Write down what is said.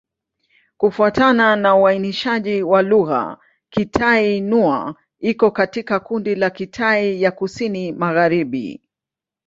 Kufuatana na uainishaji wa lugha, Kitai-Nüa iko katika kundi la Kitai ya Kusini-Magharibi.